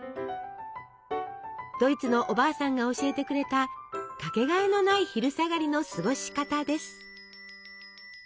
ドイツのおばあさんが教えてくれた掛けがえのない昼下がりの過ごし方です。